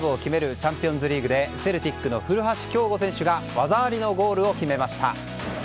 チャンピオンズリーグでセルティックの古橋亨梧選手が技ありのゴールを決めました。